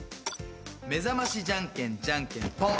めざましじゃんけんじゃんけんぽん。